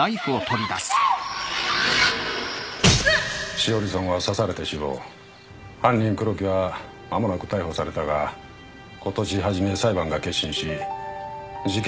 栞さんは刺されて死亡犯人・黒木はまもなく逮捕されたが今年初め裁判が結審し事件